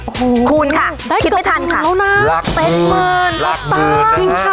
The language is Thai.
โอ้โหคูณค่ะได้ก็ทันแล้วน่ะลักเบิดลักเบิดนะคะจริงค่ะ